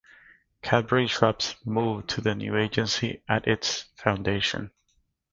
Cadbury-Schweppes moved to the new agency at its foundation.